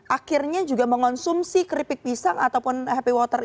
akhirnya juga mengonsumsi keripik pisang ataupun happy water